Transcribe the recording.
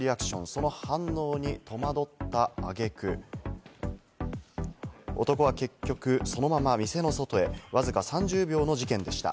その反応に戸惑った揚げ句、男は結局そのまま店の外へわずか３０秒の事件でした。